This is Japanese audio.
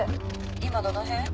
今どの辺？